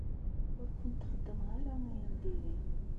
Ur kent-xeddmeɣ ara ayen n diri.